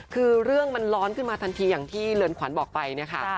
คือเรื่องมันร้อนขึ้นมาทันทีอย่างที่เรือนขวัญบอกไปเนี่ยค่ะ